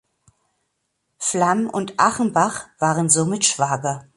Flamm und Achenbach waren somit Schwager.